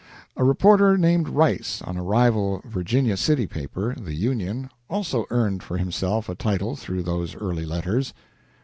A reporter named Rice, on a rival Virginia City paper, the "Union," also earned for himself a title through those early letters.